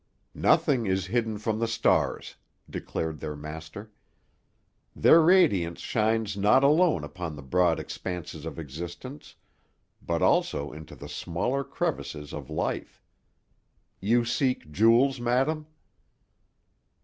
"Nothing is hidden from the stars," declared their master. "Their radiance shines not alone upon the broad expanses of existence, but also into the smallest crevices of life. You seek jewels, madam?"